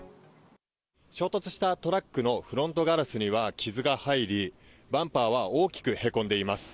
衝突したトラックのフロントガラスには傷が入り、バンパーは大きくへこんでいます。